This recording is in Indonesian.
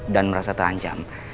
dan merasa terancam